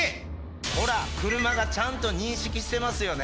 ほら車がちゃんと認識してますよね